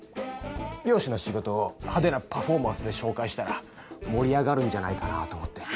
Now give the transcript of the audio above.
漁師の仕事を派手なパフォーマンスで紹介したら盛り上がるんじゃないかなと思って。